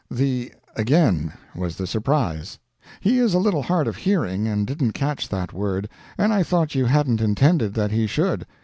The 'again' was the surprise. He is a little hard of hearing, and didn't catch that word, and I thought you hadn't intended that he should.